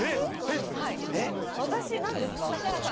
私、何ですか？